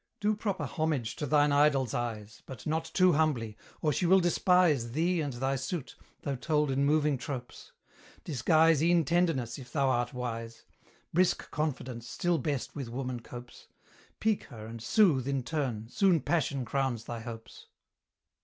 Do proper homage to thine idol's eyes, But not too humbly, or she will despise Thee and thy suit, though told in moving tropes; Disguise e'en tenderness, if thou art wise; Brisk Confidence still best with woman copes; Pique her and soothe in turn, soon Passion crowns thy hopes.